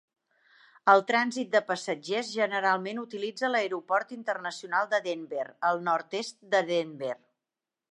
El trànsit de passatgers generalment utilitza l'Aeroport Internacional de Denver, al nord-est de Denver.